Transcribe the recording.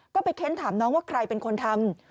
ก็ไปเค้นถามน้องว่าใครเป็นคนทำ